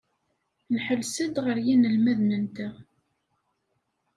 Nḥelles-d ɣer yinelmaden-nteɣ.